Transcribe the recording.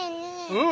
うん？